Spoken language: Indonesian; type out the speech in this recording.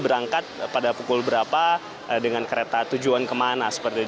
berangkat pada pukul berapa dengan kereta tujuan kemana seperti itu